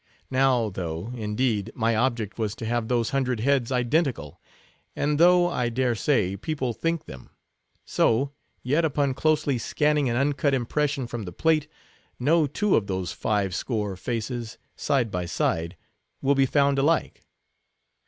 Now, though, indeed, my object was to have those hundred heads identical, and though, I dare say, people think them; so, yet, upon closely scanning an uncut impression from the plate, no two of those five score faces, side by side, will be found alike.